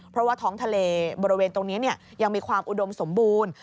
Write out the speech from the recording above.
เพราะว่าท้องทะเลบริเวณตรงนี้ยังมีความอุดมสมบูรณ์